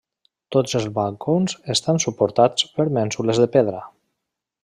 Tots els balcons estan suportats per mènsules de pedra.